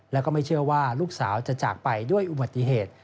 แล้วก็ไม่เชื่อว่าลูกสาวจะจากไปด้วยอุบัติเหตุ